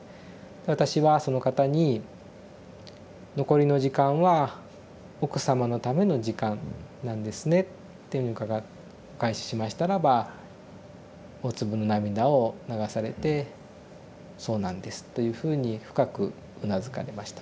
私はその方に「残りの時間は奥様のための時間なんですね」ってお返ししましたらば大粒の涙を流されて「そうなんです」というふうに深くうなずかれました。